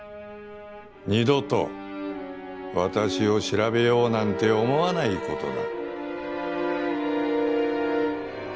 二度と私を調べようなんて思わないことだ。